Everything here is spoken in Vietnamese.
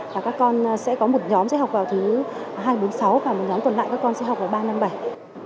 và các con sẽ có một nhóm sẽ học vào thứ hai bốn mươi sáu và một nhóm còn lại các con sẽ học vào ba năm bảy